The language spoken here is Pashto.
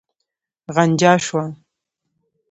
غنجا شوه.